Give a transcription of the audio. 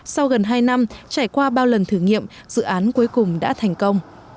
sau gần hai năm trải qua bao lần thử nghiệm dự án cuối cùng đã thành công